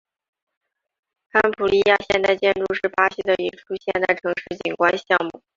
潘普利亚现代建筑是巴西的一处现代城市景观项目。